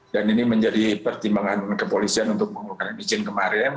dan ini menjadi pertimbangan kepolisian untuk mengeluarkan izin kemarin